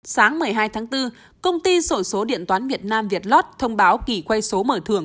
sáng một mươi hai tháng bốn công ty sổ số điện toán việt nam việt lót thông báo kỷ quay số mở thưởng